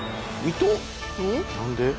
何で？